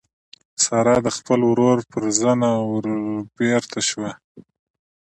سارا د خپل ورور پر زنه وربېرته شوه.